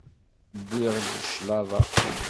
Wwiɣ-d claḍa.